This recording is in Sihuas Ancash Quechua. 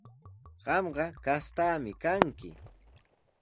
Qamqa kastaami kanki.